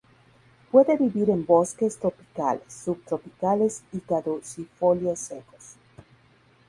Puede vivir en bosques tropicales, subtropicales y caducifolios secos.